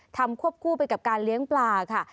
ควบคู่ไปกับการเลี้ยงปลาค่ะ